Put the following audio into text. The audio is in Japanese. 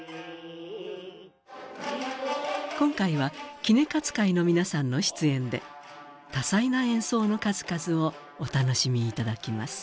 今回は杵勝会の皆さんの出演で多彩な演奏の数々をお楽しみいただきます。